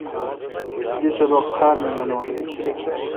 دی سبق خار می مینون۔